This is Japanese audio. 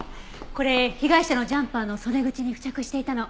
これ被害者のジャンパーの袖口に付着していたの。